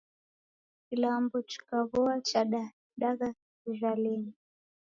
Kilambo chikaw'oa chadadaghwa kijhalenyi